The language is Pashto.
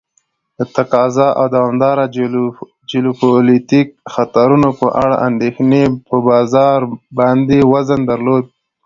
د تقاضا او دوامداره جیوپولیتیک خطرونو په اړه اندیښنې په بازار باندې وزن درلود.